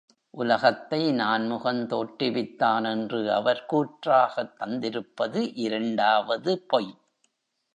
உலகத்தை நான்முகன் தோற்றுவித்தான் என்று அவர் கூற்றாகத் தந்திருப்பது இரண்டாவது பொய்.